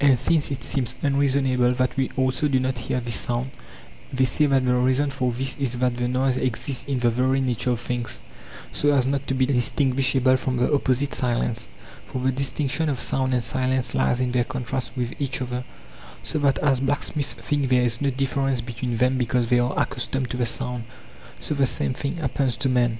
And since it seems unreasonable that we also do not hear this sound, they say that the reason for this is that the noise exists in the very nature of things, so as not to be distinguishable from the opposite silence; for the dis tinction of sound and silence lies in their contrast with each other, so that as blacksmiths think there is no difference between them because they are accustomed to the sound, so the same thing happens to men.